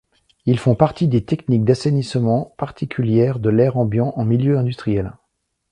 Ils font partie des techniques d’assainissement particulaire de l’air ambiant en milieu industriel.